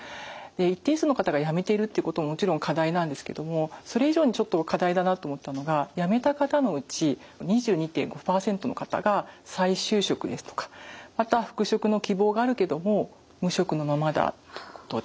一定数の方が辞めているってことももちろん課題なんですけどもそれ以上にちょっと課題だなと思ったのが辞めた方のうち２２．５％の方が再就職ですとかまたは復職の希望があるけども無職のままだってことで。